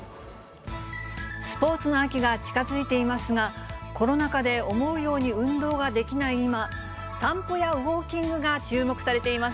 スポーツの秋が近づいていますが、コロナ禍で思うように運動ができない今、散歩やウォーキングが注目されています。